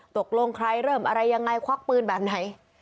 ตกลงใครเริ่มอะไรยังไงควักปืนแบบไหน